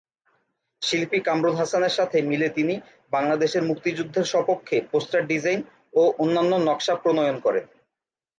শিল্পী কামরুল হাসানের সাথে মিলে তিনি বাংলাদেশের মুক্তিযুদ্ধের স্বপক্ষে পোস্টার ডিজাইন ও অন্যান্য নকশা প্রণয়ন করেন।